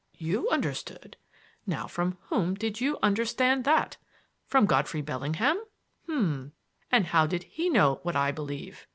"You understood! Now from whom did you 'understand' that? From Godfrey Bellingham? H'm! And how did he know what I believe?